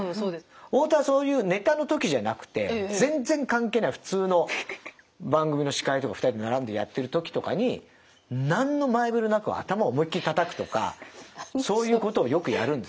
太田はそういうネタのときじゃなくて全然関係ない普通の番組の司会とか２人で並んでやってるときとかに何の前触れもなく頭を思いっ切りたたくとかそういうことをよくやるんですよ。